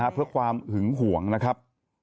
เพื่อความหึงห่วงนะครับ